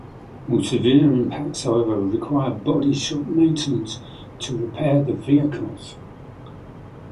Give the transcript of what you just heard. More severe impacts however, require body shop maintenance to repair the vehicles.